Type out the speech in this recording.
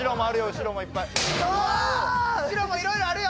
後ろもいろいろあるよ